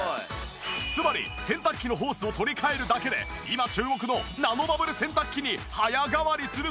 つまり洗濯機のホースを取り換えるだけで今注目のナノバブル洗濯機に早変わりするというわけ！